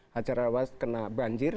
hajar aswad kena banjir